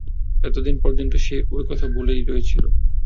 কিন্তু এতদিন পর্যন্ত সে ঐ কথা ভুলে রয়েছিল।